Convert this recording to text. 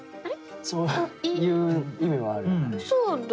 そういう意味もあるよね。